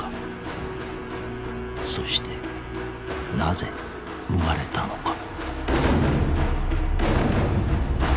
そしてなぜ生まれたのか。